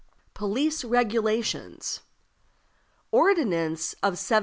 Police Regulations. Ordinance of 1778.